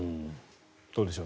どうでしょう。